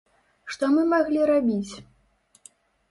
Што мы маглі рабіць?